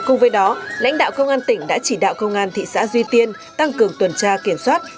cùng với đó lãnh đạo công an tỉnh đã chỉ đạo công an thị xã duy tiên tăng cường tuần tra kiểm soát